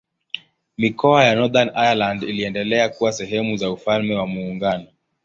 Mikoa ya Northern Ireland iliendelea kuwa sehemu za Ufalme wa Muungano.